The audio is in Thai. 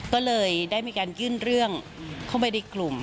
ก็เลยได้มีการยื่นเรื่องเข้าไปในกลุ่ม